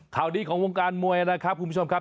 ข่าวดีของวงการมวยนะครับคุณผู้ชมครับ